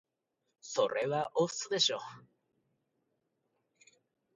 それは押忍でしょ